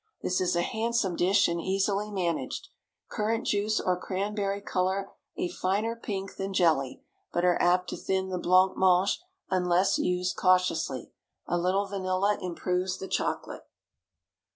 This is a handsome dish and easily managed. Currant juice or cranberry color a finer pink than jelly, but are apt to thin the blanc mange, unless used cautiously. A little vanilla improves the chocolate.